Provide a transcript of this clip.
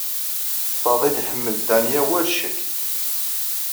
Faḍil iḥemmel Danya war ccek.